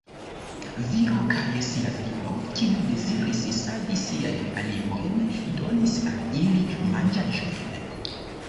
Viro kaj sia filo, kiu deziris savi siajn animojn, donis al ili manĝaĵojn.